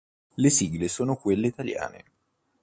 Le sigle sono quelle italiane.